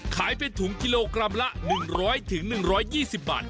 ขายเป็นถุงกิโลกรัมละ๑๐๐๑๒๐บาท